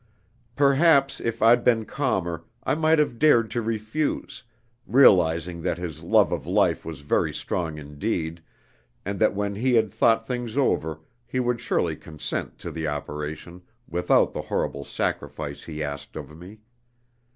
"Perhaps if I'd been calmer, I might have dared to refuse, realizing that his love of life was very strong indeed, and that when he had thought things over, he would surely consent to the operation without the horrible sacrifice he asked of me.